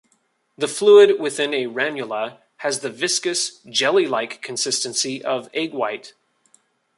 The fluid within a ranula has the viscous, jellylike consistency of egg white.